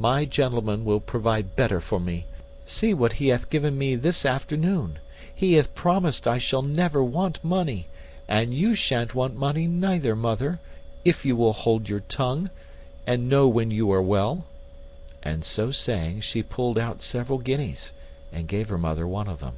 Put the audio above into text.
My gentleman will provide better for me. See what he hath given me this afternoon. He hath promised I shall never want money; and you shan't want money neither, mother, if you will hold your tongue, and know when you are well." And so saying, she pulled out several guineas, and gave her mother one of them.